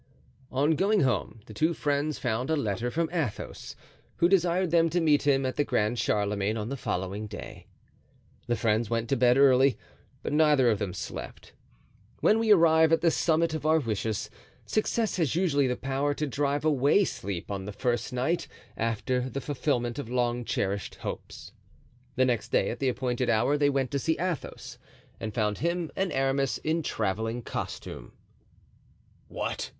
On going home, the two friends found a letter from Athos, who desired them to meet him at the Grand Charlemagne on the following day. The friends went to bed early, but neither of them slept. When we arrive at the summit of our wishes, success has usually the power to drive away sleep on the first night after the fulfilment of long cherished hopes. The next day at the appointed hour they went to see Athos and found him and Aramis in traveling costume. "What!"